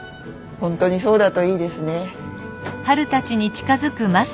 本当にそうだといいですね。